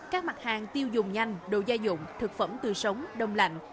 các mặt hàng tiêu dùng nhanh đồ gia dụng thực phẩm tươi sống đông lạnh